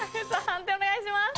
判定お願いします。